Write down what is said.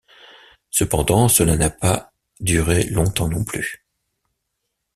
Cependant cela n'a pas duré longtemps non plus.